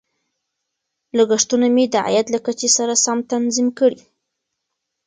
لګښتونه مې د عاید له کچې سره سم تنظیم کړل.